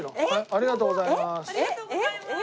ありがとうございます。